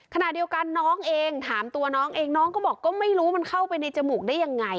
ขณะเดียวกันน้องเองถามตัวน้องเองน้องก็บอกก็ไม่รู้มันเข้าไปในจมูกได้ยังไง